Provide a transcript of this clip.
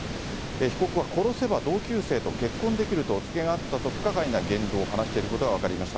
被告は殺せば同級生と結婚できるとお告げがあったと、不可解な言動を話していることが分かりました。